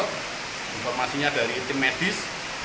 informasinya dari tim medis